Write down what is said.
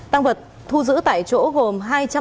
tăng vật thu giữ tại chỗ gồm